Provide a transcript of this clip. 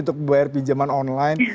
untuk bayar pinjaman online